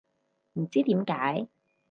唔知點解